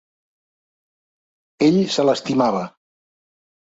Ell se l'estimava.